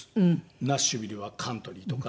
ナッシュビルはカントリーとか。